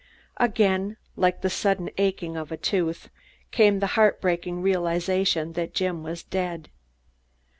Again, like the sudden aching of a tooth, came the heart breaking realization that Jim was dead.